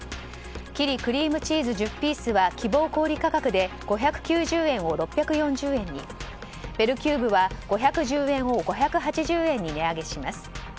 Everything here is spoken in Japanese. キリクリームチーズ１０ピースは希望小売価格を６２０円を６８０円にベルキューブは５１０円を５８０円に値上げします。